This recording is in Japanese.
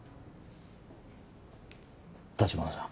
立花さん